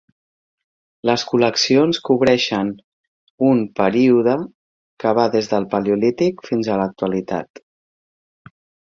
Les col·leccions cobreixen un període que va des del Paleolític fins a l'actualitat.